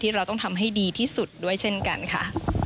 เราต้องทำให้ดีที่สุดด้วยเช่นกันค่ะ